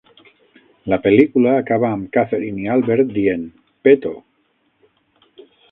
La pel·lícula acaba amb Catherine i Albert dient "Peto!".